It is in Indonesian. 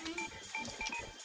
mereka semua sudah berhenti